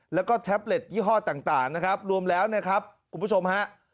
แล้วก็แท็บเล็ตยี่ห้อต่างนะครับรวมแล้วนะครับคุณผู้ชมฮะ